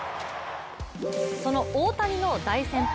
その大谷の大先輩